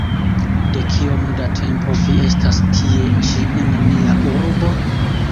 De kiom da tempo vi estas tie ĉi en nia urbo?